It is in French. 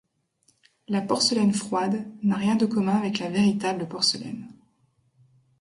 La porcelaine froide n'a rien de commun avec la véritable porcelaine.